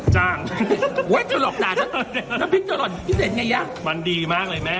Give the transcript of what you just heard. จะมาเทวหนูทิ้งได้อย่างไรคะนี่ตั้งใจเอามาให้คุณแม่เลยค่ะ